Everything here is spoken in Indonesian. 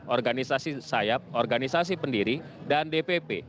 organisasi sayap organisasi pendiri dan dpp